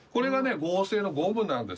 合成のゴムなんです。